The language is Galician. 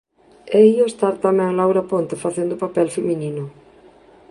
E ía estar tamén Laura Ponte facendo o papel feminino.